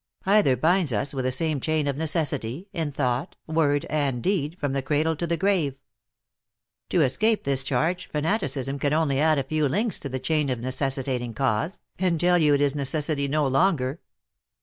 Either binds us with the same chain of necessity, in thought, word and deed, from the cradle to the grave. To escape this charge, fanat icism can only add a few links to the chain of neces sitating cause, and tell you it is necessity no longer.